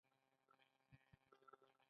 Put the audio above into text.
په وچه تنخوا ګوزاره نه کوم.